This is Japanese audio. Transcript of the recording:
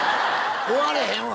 終われへんわ！